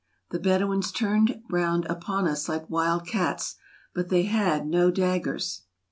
The Bedouins turned round upon us like wild cats, but they had no daggers.